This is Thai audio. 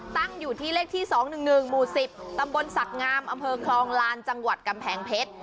ตั้งอยู่ที่เลขที่๒๑๑หมู่๑๐ตำบลศักดิ์งามอำเภอคลองลานจังหวัดกำแพงเพชร